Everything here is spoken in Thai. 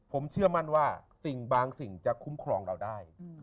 ผมเชื่อมั่นว่าสิ่งบางสิ่งจะคุ้มครองเราได้